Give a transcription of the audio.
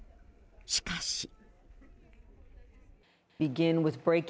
しかし。